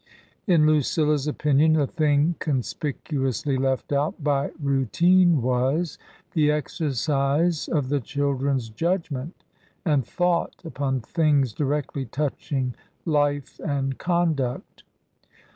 In Lucilla's opinion the thing conspicuously left out by Routine was — the exercise of the children's judgment and thought upon things directly touching Ufe and Con duct.